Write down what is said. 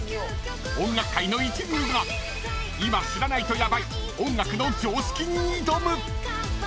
［音楽界の一流が今知らないとヤバい音楽の常識に挑む！］